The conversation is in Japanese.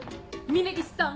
峰岸さん！